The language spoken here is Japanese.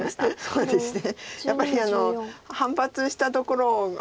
そうですね。